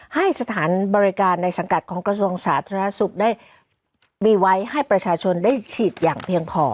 ให้สถานบริการในสังกัดของกระทรวงสาธารณสุขได้มีไว้ให้ประชาชนได้ฉีดอย่างเพียงพอ